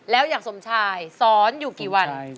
แล้วอย่างสมชายสอนอยู่กี่วัน